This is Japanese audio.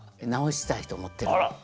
直したいと思ってるの。